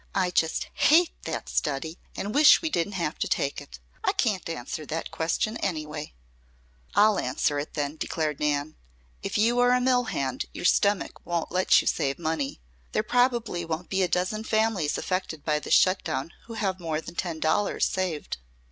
"I just HATE that study, and wish we didn't have to take it! I can't answer that question, anyway." "I'll answer it then," declared Nan. "If you are a mill hand your stomach won't let you save money. There probably won't be a dozen families affected by this shut down who have more than ten dollars saved."